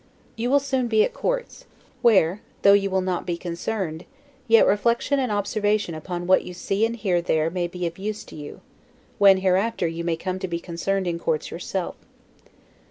You will soon be at courts, where, though you will not be concerned, yet reflection and observation upon what you see and hear there may be of use to you, when hereafter you may come to be concerned in courts yourself.